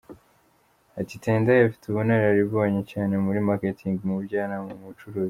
Ati “ Tendai afite ubunararibonye cyane muri Marketing, mu bujyanama mu bucuruzi.